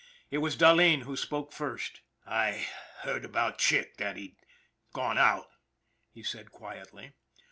It was Dahleen who spoke first. " I heard about Chick that he'd gone out," he said quietly.